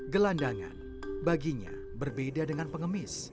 gelandangan baginya berbeda dengan pengemis